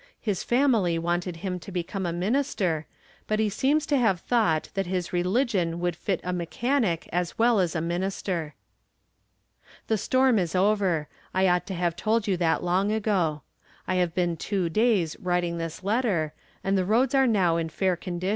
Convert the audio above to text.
His family wanted him to become a minister, but he seems to have thought that his religion would fit a mechanic as well as a min ister. The storm is over. I ought to have told you that long ago. I have been two days writing this letter, and the roads are now ia fair condi 34 From Different Standpoints.